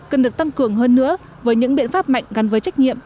cần được tăng cường hơn nữa với những biện pháp mạnh gắn với trách nhiệm